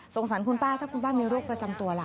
สารคุณป้าถ้าคุณป้ามีโรคประจำตัวล่ะ